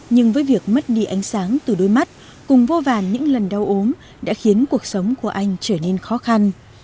nhưng với việc mất đi ánh sáng từ đôi mắt cùng vô vàn những lần đau ốm đã khiến cuộc sống của anh trở nên khó khăn